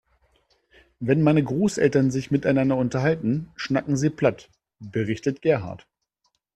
Wenn meine Großeltern sich miteinander unterhalten, schnacken sie platt, berichtet Gerhard.